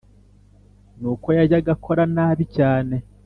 Nuko yajyaga akora nabi cyane